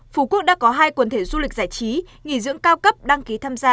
phú quốc đã có hai quần thể du lịch giải trí nghỉ dưỡng cao cấp đăng ký tham gia